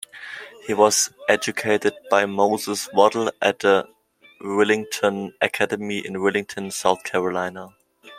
He was educated by Moses Waddel at the Willington Academy in Willington, South Carolina.